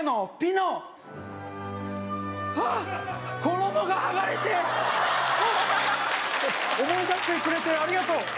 衣がはがれてはっ思い出してくれてありがとう